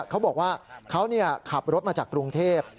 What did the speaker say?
เขาบอกว่าเขาขับรถมาจากกรุงเทพ